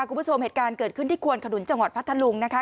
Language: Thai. คุณผู้ชมเหตุการณ์เกิดขึ้นที่ควนขนุนจังหวัดพัทธลุงนะคะ